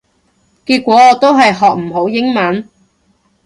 結果我都係學唔好英文